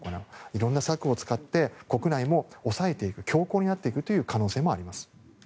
いろんな策を使って国内も抑えていく強硬になっていくという可能性もあります。